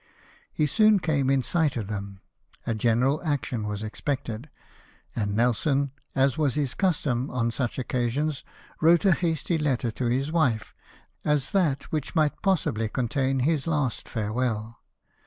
He soon came in sight of them; a general action was expected ; and Nelson, as was his custom on such occasions, wrote a hasty letter to his wife, as that which might possibly contain his last farewell.